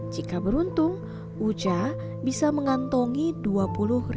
jika beruntung uja bisa mengantongi dua puluh rupiah dalam sehari